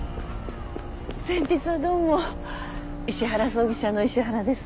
先日はどうも石原葬儀社の石原です。